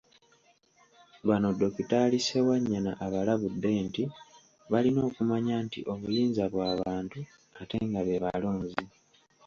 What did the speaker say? Bano Dokitaali Ssewanyana abalabudde nti balina okumanya nti obuyinza bw'abantu ate nga be balonzi.